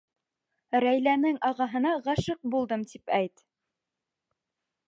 — Рәйләнең ағаһына ғашиҡ булдым, тип әйт!